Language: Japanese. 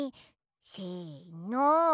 せの。